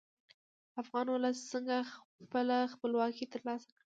افغان ولس څنګه خپله خپلواکي تر لاسه کړه؟